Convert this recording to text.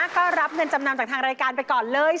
ก็รับเงินจำนำจากทางรายการไปก่อนเลย